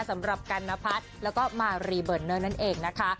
สำหรับกันนพัฒน์แล้วก็มารีเบอร์เนอร์นั่นเองนะคะ